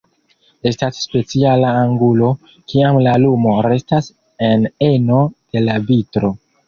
Estas speciala angulo, kiam la lumo restas en eno de la vitro.